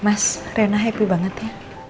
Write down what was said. mas rena happy banget ya